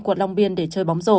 quận long biên để chơi bóng rổ